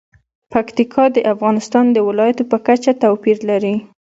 پکتیکا د افغانستان د ولایاتو په کچه توپیر لري.